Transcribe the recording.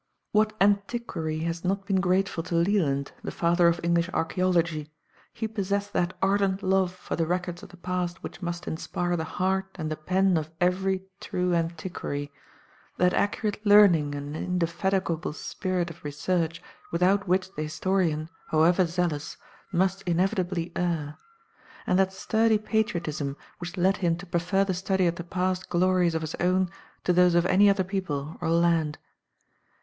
What antiquary has not been grateful to Leland, the father of English archaeology! He possessed that ardent love for the records of the past which must inspire the heart and the pen of every true antiquary; that accurate learning and indefatigable spirit of research without which the historian, however zealous, must inevitably err; and that sturdy patriotism which led him to prefer the study of the past glories of his own to those of any other people or land.